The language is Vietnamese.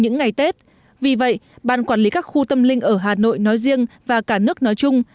những ngày tết vì vậy ban quản lý các khu tâm linh ở hà nội nói riêng và cả nước nói chung